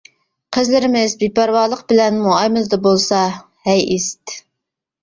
قىزلىرىمىز بىپەرۋالىق بىلەن مۇئامىلىدە بولسا، ھەي ئىسىت.